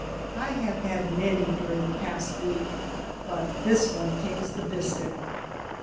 I have had many during the past week, but this one takes the biscuit.